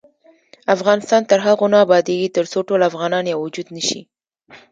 افغانستان تر هغو نه ابادیږي، ترڅو ټول افغانان یو وجود نشي.